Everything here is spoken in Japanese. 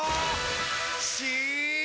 し！